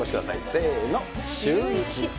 せーの、シューイチ。